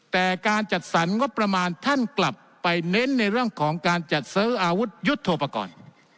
แต่การจัดสรรงบประมาณท่านกลับไปเน้นในเรื่องของการจัดซื้ออาวุธยุทธโปรกรณ์